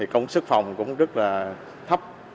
công suất phòng cũng rất là thấp